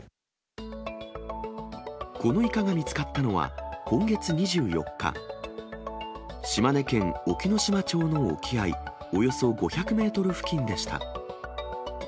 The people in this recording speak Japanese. このイカが見つかったのは、今月２４日、島根県隠岐の島町の沖合およそ５００メートル付近でした。